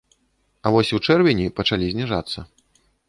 А вось ў чэрвені пачалі зніжацца.